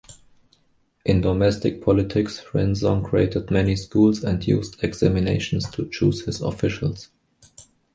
In domestic politics, Renzong created many schools and used examinations to choose his officials.